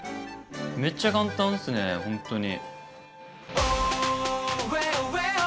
めっちゃ簡単ですね、ホントに。